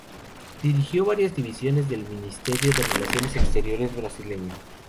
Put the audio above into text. Dirigió varias divisiones del Ministerio de Relaciones Exteriores brasileño.